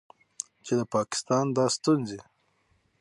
چې د پاکستان دا ستونځې